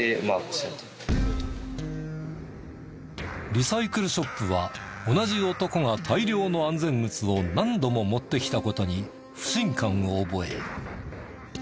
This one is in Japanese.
リサイクルショップは同じ男が大量の安全靴を何度も持ってきた事に不信感を覚え。